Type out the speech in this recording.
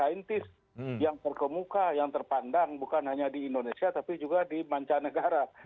yang terkemuka yang terpandang bukan hanya di indonesia tapi juga di mancanegara